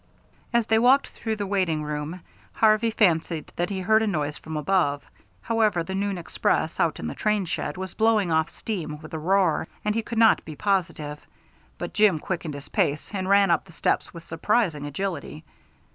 As they walked through the waiting room Harvey fancied that he heard a noise from above. However, the noon express, out in the train shed, was blowing off steam with a roar, and he could not be positive. But Jim quickened his pace, and ran up the steps with surprising agility.